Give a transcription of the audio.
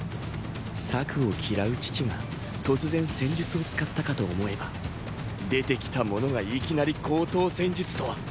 策を嫌う父が突然戦術を使ったかと思えば出てきたものがいきなり高等戦術とは！